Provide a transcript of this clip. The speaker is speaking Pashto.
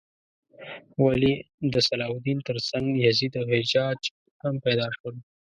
ولې د صلاح الدین تر څنګ یزید او حجاج هم پیدا شول؟